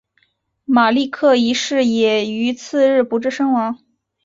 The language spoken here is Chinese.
马立克一世也于次日不治身亡。